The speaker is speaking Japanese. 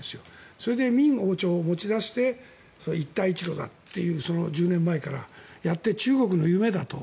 それで明王朝を持ち出して一帯一路だという１０年前からやって中国の夢だと。